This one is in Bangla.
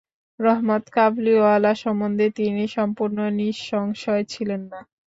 রহমত কাবুলিওয়ালা সম্বন্ধে তিনি সম্পূর্ণ নিঃসংশয় ছিলেন না।